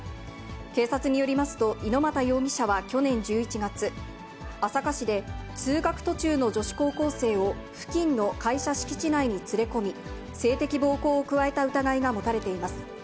警察によりますと、猪俣容疑者は去年１１月、朝霞市で通学途中の女子高校生を、付近の会社敷地内に連れ込み、性的暴行を加えた疑いが持たれています。